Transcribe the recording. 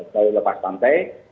di lepas pantai